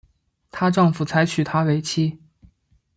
她丈夫才娶她为妻